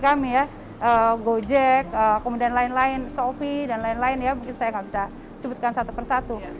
kami ya gojek kemudian lain lain sofi dan lain lain ya mungkin saya nggak bisa sebutkan satu persatu